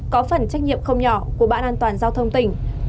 có phần trách nhiệm không nhỏ của bạn an toàn giao thông tỉnh